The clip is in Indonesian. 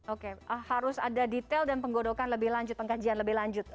oke harus ada detail dan penggodokan lebih lanjut pengkajian lebih lanjut